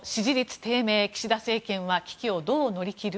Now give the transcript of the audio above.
低迷岸田政権は危機をどう乗り切る？